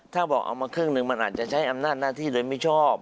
ถ้าบอกเอามาครึ่งหนึ่งมันอาจจะใช้อำนาจหน้าที่โดยมิชอบ